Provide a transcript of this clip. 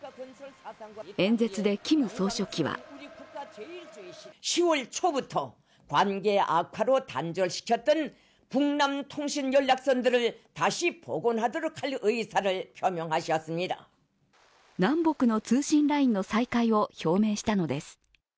演説でキム総書記は南北の通信ラインの再開を表明したのです。